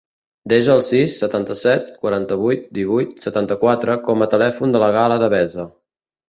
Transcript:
Desa el sis, setanta-set, quaranta-vuit, divuit, setanta-quatre com a telèfon de la Gala Devesa.